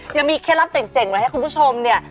ยังมีเคล็ดลับเจ๋งไว้ให้คุณผู้ชมเนี่ย